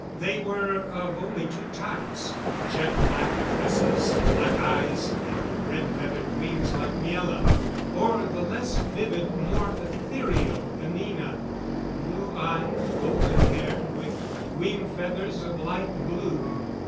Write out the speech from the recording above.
They were of only two types jet black tresses, black eyes, and red feathered wings like Miela; or the less vivid, more ethereal Anina blue eyed, golden haired, with wing feathers of light blue.